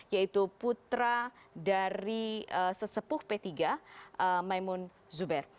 yaitu putra dari sesepuh p tiga maimun zuber